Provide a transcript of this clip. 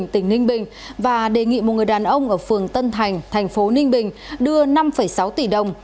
tỉnh ninh bình và đề nghị một người đàn ông ở phường tân thành thành phố ninh bình đưa năm sáu tỷ đồng